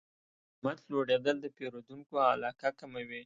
قیمت لوړېدل د پیرودونکو علاقه کموي.